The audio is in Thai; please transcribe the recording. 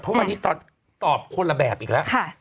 เพราะวันนี้ตอบคนละแบบอีกแล้ว